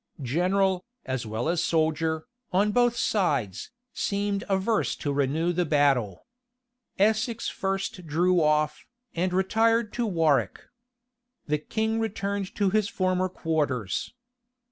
General, as well as soldier, on both sides, seemed averse to renew the battle. Essex first drew off, and retired to Warwick. The king returned to his former quarters.